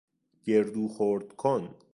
گردو خرد کن